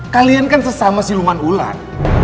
kalian kan sesama siluman ular